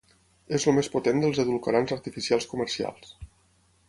És el més potent dels edulcorants artificials comercials.